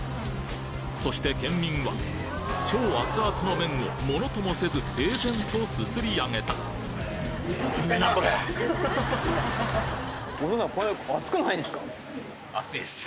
そして県民は超熱々の麺をものともせず平然とすすり上げたお父さんこれ。